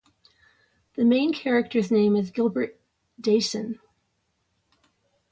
The main character's name is Gilbert Dasein.